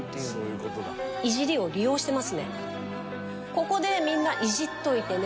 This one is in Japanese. ここでみんなイジっといてねって。